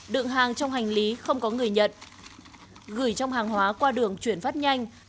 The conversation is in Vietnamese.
đựng hàng trong hành lý không có người nhận gửi trong hàng hóa qua đường chuyển phát nhanh